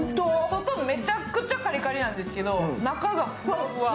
外めちゃくちゃカリカリなんですけど、中がふわふわ。